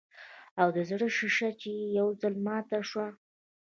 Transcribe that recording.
او د زړۀ شيشه چې ئې يو ځل ماته شوه